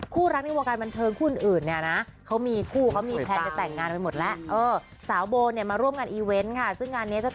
คู่รักที่โมงการบรรเทิงคู่อื่นเนี่ยนะ